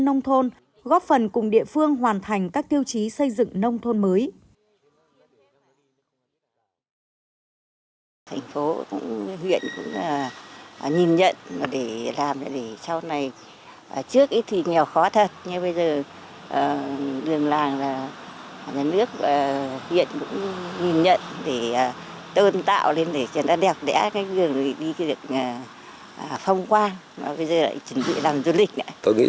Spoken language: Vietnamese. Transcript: dân nông thôn góp phần cùng địa phương hoàn thành các tiêu chí xây dựng nông thôn mới